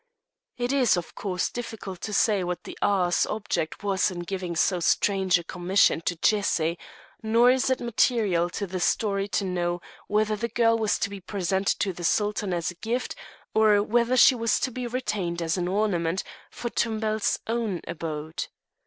It is, of course, difficult to say what the Aga's object was in giving so strange a commission to Cesi, nor is it material to the story to know whether the girl was to be presented to the Sultan as a gift, or whether she was to be retained as an ornament for Tumbel's own abode.